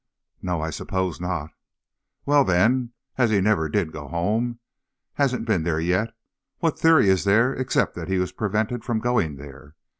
"No; I suppose not." "Well, then, as he never did go home, hasn't been there yet, what theory is there except that he was prevented from going there?